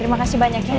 terima kasih banyak ya